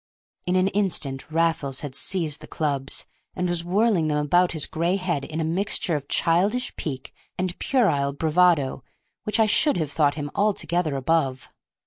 In an instant Raffles had seized the clubs, and was whirling them about his gray head in a mixture of childish pique and puerile bravado which I should have thought him altogether above.